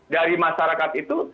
dari masyarakat itu